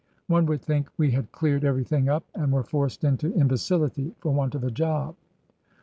One would think we had cleared ever3^hing up and were forced into imbecility for want of a job.